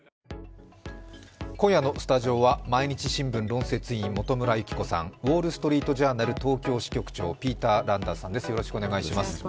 今夜のスタジオは毎日新聞論説委員、元村有希子さん、ウォール・ストリート・ジャーナル東京支局長ピーター・ランダースさんです。